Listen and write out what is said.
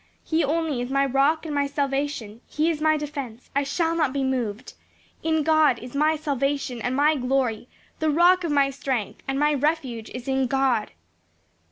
He only is my rock and my salvation; he is my defense, I shall not be moved. In God is my salvation and my glory; the rock of my strength and my refuge is in God."